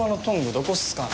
どこっすかね？